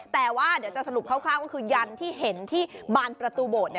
แต่ว่าเดี๋ยวจะสรุปคร่าวก็คือยันที่เห็นที่บานประตูโบสถ